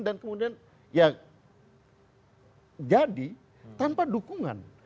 dan kemudian ya jadi tanpa dukungan